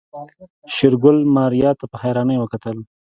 شېرګل ماريا ته په حيرانۍ وکتل.